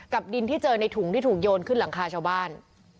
ดินที่เจอในถุงที่ถูกโยนขึ้นหลังคาชาวบ้าน